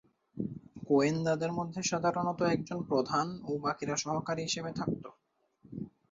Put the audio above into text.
গোয়েন্দাদের মধ্যে সাধারণত একজন প্রধান ও বাকীরা সহকারী হিসেবে থাকতো।